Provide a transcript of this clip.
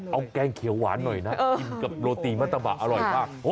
เอาแกงเขียวหวานหน่อยนะกินกับโรตีมัตตะบะอร่อยมาก